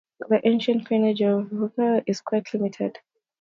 The ancient coinage of Lycaonia is quite limited.